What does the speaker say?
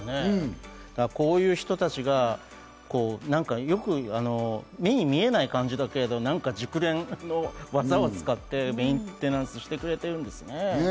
こういう人たちが目に見えない感じだけれども熟練の技を使ってメンテナンスしてくれているんですね。